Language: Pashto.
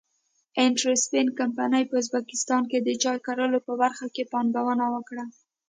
انټرسپن کمپنۍ په ازبکستان کې د چای کرلو په برخه کې پانګونه وکړه.